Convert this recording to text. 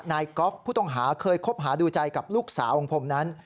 ก๊อฟผู้ต้องหาเคยคบหาดูใจกับลูกสาวของผมนั้น